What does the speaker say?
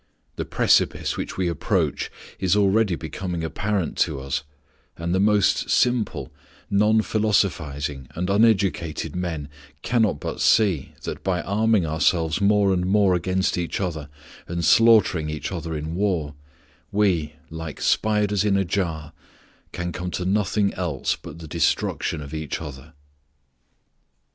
The precipice which we approach is already becoming apparent to us, and the most simple, non philosophizing, and uneducated men cannot but see that, by arming ourselves more and more against each other and slaughtering each other in war, we, like spiders in a jar, can come to nothing else but the destruction of each other.